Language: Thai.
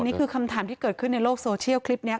นี่คือคำถามที่เกิดขึ้นในโลกโซเชียลคลิปนี้